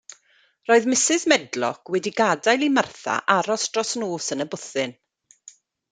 Roedd Mrs. Medlock wedi gadael i Martha aros dros nos yn y bwthyn.